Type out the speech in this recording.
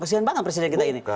kesian banget presiden kita ini